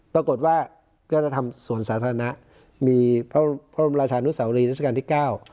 ปรากฏว่าก็จะทำสวนสาธารณะมีพระบรมราชานุสาวรีรัชกาลที่เก้า